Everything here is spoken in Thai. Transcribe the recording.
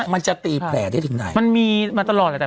มันจะตีแผลได้ถึงไหน